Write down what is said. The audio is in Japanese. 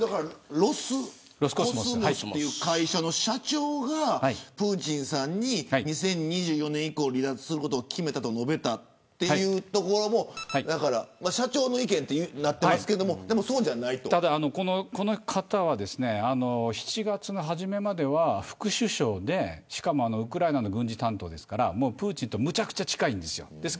ロスコスモスという会社の社長がプーチンさんに２０２４年以降離脱することを決めたと述べたというのも社長の意見となってますけれどただ、この方は７月の初めまでは副首相でしかもウクライナの軍事担当ですからプーチンとむちゃくちゃ近いんです。